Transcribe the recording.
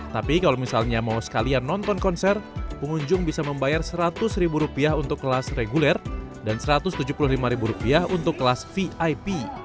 tapi kalau misalnya mau sekalian nonton konser pengunjung bisa membayar rp seratus untuk kelas reguler dan rp satu ratus tujuh puluh lima untuk kelas vip